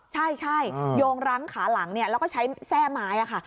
ใช่โยงรั้งขาหลังแล้วก็ใช้แทร่ไม้ค่ะ